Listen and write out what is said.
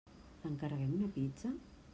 Encarreguem una pizza?